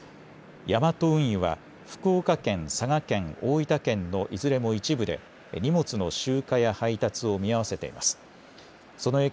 ヤマト運輸は福岡県、佐賀県、大分県のいずれも一部で荷物の集荷や配達を見合わせています。